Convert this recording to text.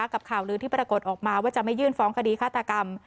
กับข่าวลือที่ปรากฏออกมาว่าจะไม่ยื่นฟ้องคดีฆาตกรรม